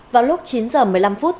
vào lúc chín h một mươi năm